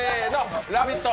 「ラヴィット！」